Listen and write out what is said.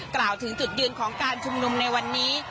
กล่าวถึงจุดยืนของการชุมนุมในวันนี้